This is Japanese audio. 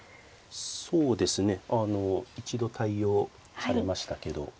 そうですねあの一度対応されましたけどまあ